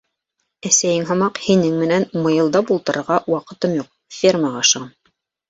— Әсәйең һымаҡ һинең менән мыйылдап ултырырға ваҡытым юҡ, фермаға ашығам.